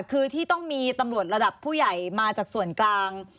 คือที่ต้องมีตำรวจระดับผู้ใหญ่มาจากส่วนกลาง